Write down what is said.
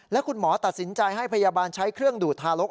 และคุณหมอตัดสินใจให้พยาบาลใช้เครื่องดูดทารก